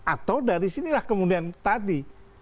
atau dari sinilah kemudian tadi